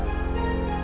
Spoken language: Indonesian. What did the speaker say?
medik dan sedih ya